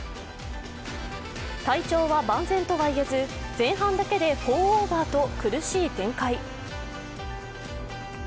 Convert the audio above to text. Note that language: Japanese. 体調は万全とはいえず前半だけで４オーバーと苦しい展開。